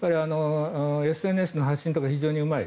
ＳＮＳの発信とか非常にうまい。